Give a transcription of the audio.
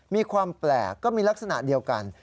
มีความแปลกก็มีลักษณะเดียวกัน